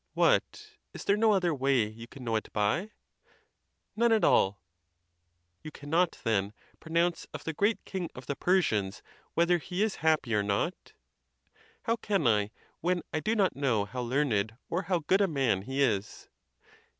"What! is there no other way you can know it by?" "None at all." "You cannot, then, pronounce of the great king of the Persians whether he is happy or not?" "How can I, when I do not know how learned or how good a man he is?"